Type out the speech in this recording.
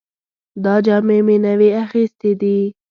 دا جامې مې نوې اخیستې دي